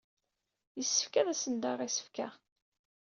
Yessefk ad asen-d-aɣeɣ isefka.